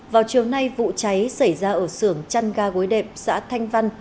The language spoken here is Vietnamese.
vào chiều nay vụ cháy xảy ra ở xưởng trăn ga gối đệm xã thanh văn